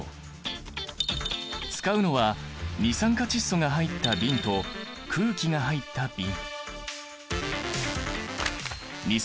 使うのは二酸化窒素が入った瓶と空気が入った瓶。